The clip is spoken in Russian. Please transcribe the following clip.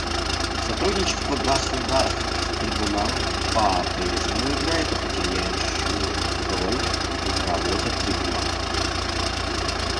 Сотрудничество государств с Трибуналом по-прежнему играет определяющую роль в работе Трибунала.